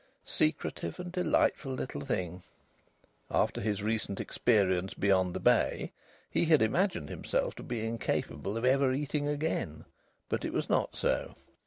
Secretive and delightful little thing! After his recent experience beyond the bay he had imagined himself to be incapable of ever eating again, but it was not so.